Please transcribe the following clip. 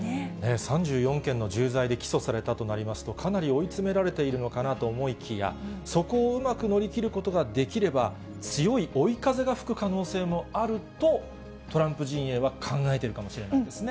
３４件の重罪で起訴されたとなりますと、かなり追い詰められているのかなと思いきや、そこをうまく乗り切ることができれば、強い追い風が吹く可能性もあると、トランプ陣営は考えているかもしれないですね。